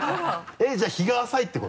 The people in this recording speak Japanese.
えっじゃあ日が浅いってこと？